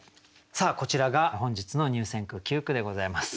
こちらが本日の入選句９句でございます。